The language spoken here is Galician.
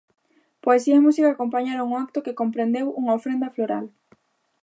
Poesía e música acompañaron o acto que comprendeu unha ofrenda floral.